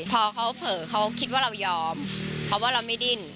พอเขาเผลอเขาคิดว่าเรายอมเพราะว่าเราไม่ดิ้น